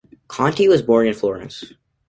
Conti was born in Florence.